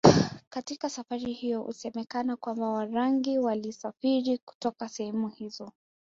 Katika safari hiyo husemekana kwamba Warangi walisafiri kutoka sehemu hizo